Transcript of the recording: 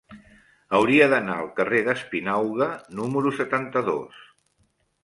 Hauria d'anar al carrer d'Espinauga número setanta-dos.